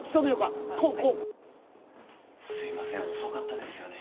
すいません遅かったですよね。